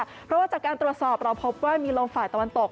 เพราะว่าจากการตรวจสอบเราพบว่ามีลมฝ่ายตะวันตก